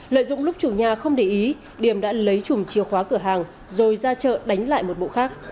lợi dụng lúc chủ nhà không để ý điểm đã lấy chùm chìa khóa cửa hàng rồi ra chợ đánh lại một bộ khác